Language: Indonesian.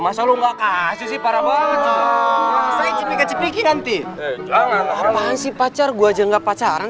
masa lu nggak kasih sih para banget cipika cipiki nanti jangan apaan sih pacar gua aja nggak pacaran